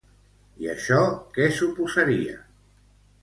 I això què suposaria?